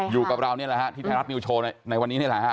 อยู่กับเรานี่แหละฮะที่ไทยรัฐนิวโชว์ในวันนี้นี่แหละฮะ